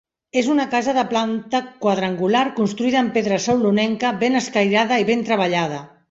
És una casa de planta quadrangular construïda en pedra saulonenca ben escairada i ben treballada.